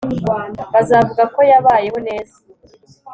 bazavuga ko yabayeho neza